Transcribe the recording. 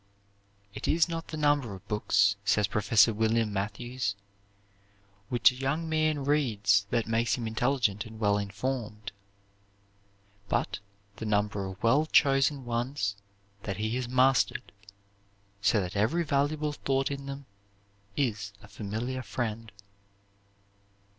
"It is not the number of books," says Professor William Mathews, "which a young man reads that makes him intelligent and well informed, but the number of well chosen ones that he has mastered, so that every valuable thought in them is a familiar friend."